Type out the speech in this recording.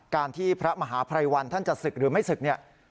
การที่พระมหาภัยวันท่านจะศึกจริงหรือไม่ศึก